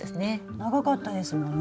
長かったですもんね。